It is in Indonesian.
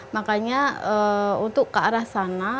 makanya untuk ke arah sana